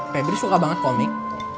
pedri suka banget komik